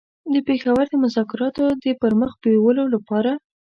د پېښور د مذاکراتو د پر مخ بېولو لپاره.